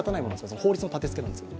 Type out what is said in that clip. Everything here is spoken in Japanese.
法律の立てつけなんですか？